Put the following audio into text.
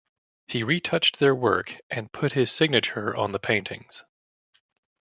He retouched their work and put his signature on the paintings.